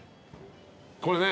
これね。